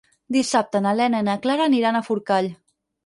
Dissabte na Lena i na Clara aniran a Forcall.